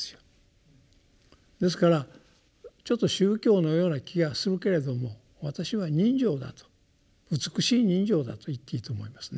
ですからちょっと宗教のような気がするけれども私は人情だと美しい人情だと言っていいと思いますね。